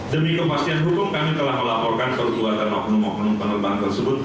demi kepastian hukum kami telah melaporkan perbuatan oknum oknum penerbang tersebut